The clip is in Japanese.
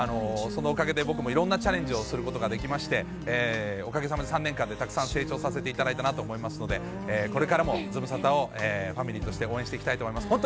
そのおかげで僕もいろんなチャレンジをすることができまして、おかげさまで、３年間でたくさん成長させていただいたなと思いますので、これからもズムサタをファミリーとして、応援していきたいと思います。